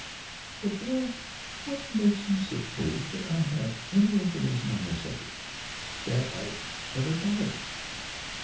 "But, boy, what makes you suppose that I have any information on the subject? That I've ever thought of it?"